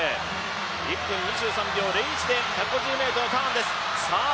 １分２３秒０１で１５０ｍのターンです。